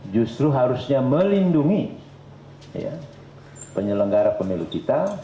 justru harusnya melindungi penyelenggara pemilu kita